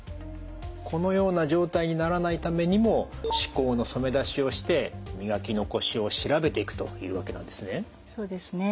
このような状態にならないためにも歯垢の染め出しをして磨き残しを調べていくというわけなんですね。